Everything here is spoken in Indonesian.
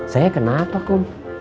saya kenapa kum